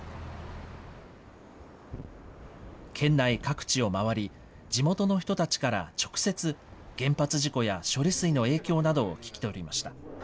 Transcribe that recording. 県内各地を回り、地元の人たちから直接、原発事故や処理水の影響などを聞き取りました。